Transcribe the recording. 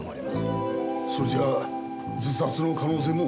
それじゃあ自殺の可能性も？